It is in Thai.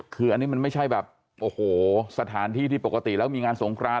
คืออันนี้มันไม่ใช่แบบโอ้โหสถานที่ที่ปกติแล้วมีงานสงคราน